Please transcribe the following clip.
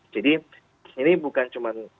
jadi ini bukan cuman